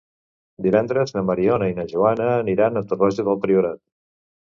Divendres na Mariona i na Joana aniran a Torroja del Priorat.